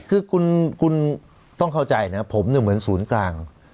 คือคุณต้องเข้าใจนะผมเนี่ยเหมือนศูนย์กลาง